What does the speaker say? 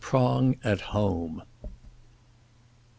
PRONG AT HOME. Mrs.